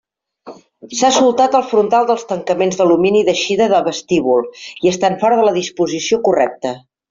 S'ha soltat el frontal dels tancaments d'alumini d'eixida de vestíbul, i estan fora de la disposició correcta.